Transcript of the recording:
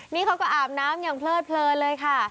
นี่เขาก็อาบน้ำอย่างเพลิดเพลินเลยค่ะ